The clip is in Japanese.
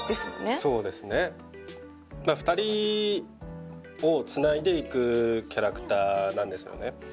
そうですね２人をつないでいくキャラクターなんですよね